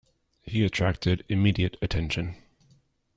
He attracted immediate attention.